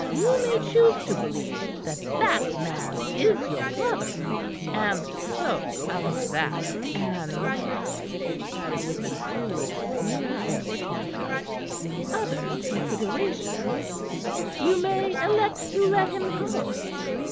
"You may choose to believe that that man is your brother, and so, out of that, and" she added with a cruel sneer at Hortensia "other considerations, you may elect to let him go.